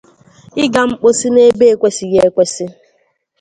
ịga mposi n'ebe ekwesighị ekwesi